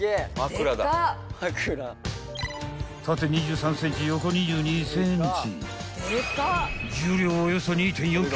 ［縦２３ｃｍ横２２ｃｍ］